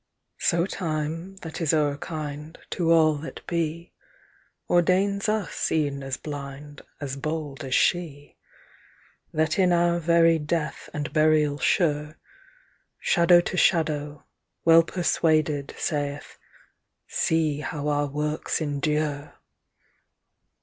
So Time that is o'er kind, To all that be, Ordains us e'en as blind, As bold as she:That in our very death, And burial sure, Shadow to shadow, well persuaded, saith,"See how our works endure!"